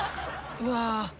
うわ。